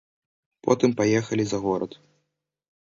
Потым паехалі за горад.